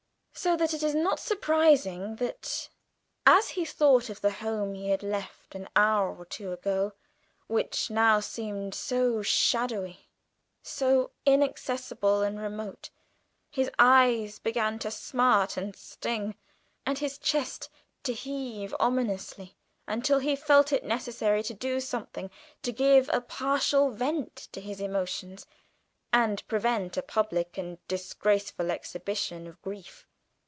So that it is not surprising that as he thought of the home he had left an hour or two ago which now seemed so shadowy, so inaccessible and remote, his eyes began to smart and sting, and his chest to heave ominously, until he felt it necessary to do something to give a partial vent to his emotions and prevent a public and disgraceful exhibition of grief.